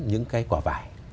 những cái quả vải